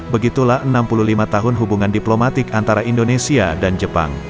begitulah enam puluh lima tahun hubungan diplomatik antara indonesia dan jepang